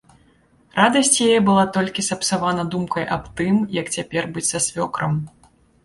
Радасць яе была толькі сапсавана думкаю аб тым, як цяпер быць са свёкрам.